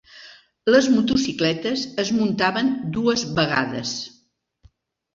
Les motocicletes es muntaven dues vegades.